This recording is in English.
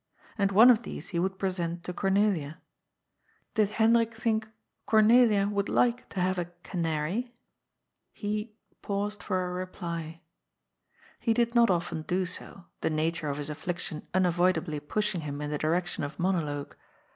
And one of these he would pre sent to Cornelia. Did Hendrik think Cornelia would like to haye a canary ? He " paused for a reply." He did not often do so, the nature of his affliction un avoidably pushing him in the direction of monologue.